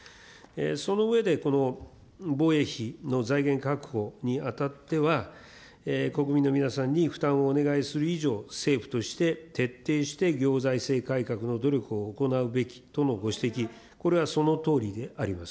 その上で、この防衛費の財源確保にあたっては、国民の皆さんに負担をお願いする以上、政府として徹底して行財政改革の努力を行うべきとのご指摘、これはそのとおりであります。